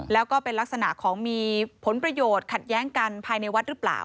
แล้วก็เป็นลักษณะของมีผลประโยชน์ขัดแย้งกันภายในวัดหรือเปล่า